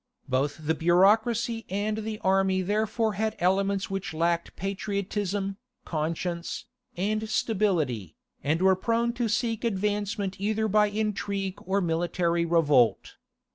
Both the bureaucracy and the army therefore had elements which lacked patriotism, conscience, and stability, and were prone to seek advancement either by intrigue or military revolt.